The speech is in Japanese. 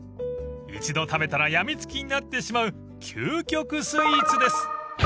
［一度食べたらやみつきになってしまう究極スイーツです］